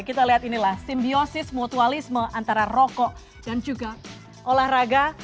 kita lihat inilah simbiosis mutualisme antara rokok dan juga olahraga